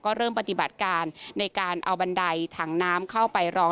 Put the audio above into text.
เริ่มปฏิบัติการในการเอาบันไดถังน้ำเข้าไปรอง